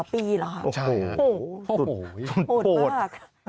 ปีหรอโหโหโหโหโหโหโหโหโห